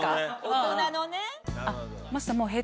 大人のね。